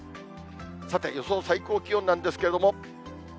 さて、予想最高気温なんですけども。